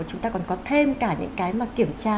chúng ta còn có thêm cả những cái mà kiểm tra